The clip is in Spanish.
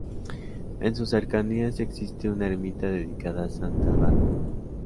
En sus cercanías existe una ermita dedicada a Santa Bárbara.